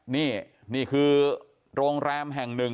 นี่นี่คือโรงแรมแห่งหนึ่ง